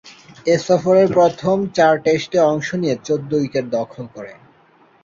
এ সফরের প্রথম চার টেস্টে অংশ নিয়ে চৌদ্দ উইকেট দখল করেন।